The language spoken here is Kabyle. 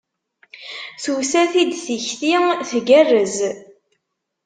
Tusa-t-id tikti tgerrez.